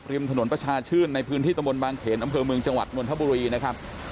ริมถนนประชาชื่นในพื้นที่ตะบนบางเขนอำเภอเมืองจังหวัดนทบุรีนะครับ